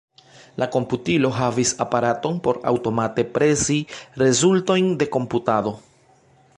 La komputilo havis aparaton por aŭtomate presi rezultojn de komputado.